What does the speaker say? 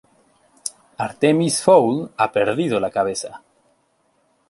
Artemis Fowl ha perdido la cabeza.